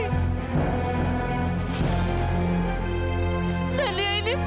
tapi ini fadil bukan taufan